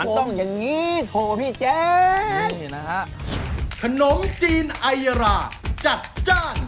มันต้องอย่างนี้โถพี่แจ๊นี่นะฮะขนมจีนไอราจัดจ้าน